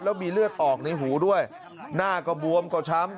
แล้วมีเลือดออกในหูด้วยหน้าก็บวมก็ช้ำ